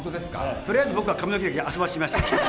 とりあえず僕は髪の毛、遊ばせてみました。